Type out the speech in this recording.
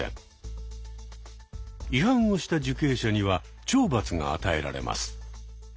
違反をした受刑者には懲罰が与えられます。